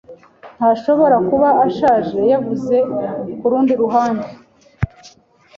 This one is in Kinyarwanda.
ntashobora kuba ashaje yavuze ku rundi ruhande